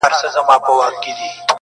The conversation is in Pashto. له پاچا او له رعیته څخه ورک سو٫